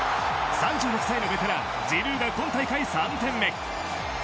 ３６歳のベテラン・ジルーが今大会３点目。